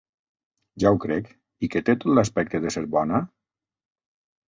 Ja ho crec! I que té tot l'aspecte de ser bona?